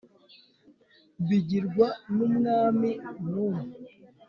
bigirwa n umwami n umwe